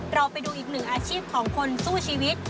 เราไปดูอีกหนึ่งอาชีพของคนสู้ชีวิต